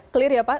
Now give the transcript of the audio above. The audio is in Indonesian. clear ya pak